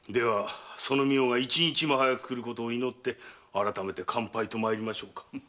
その御代が一日も早くくることを祈って改めて乾杯とまいりましょうか。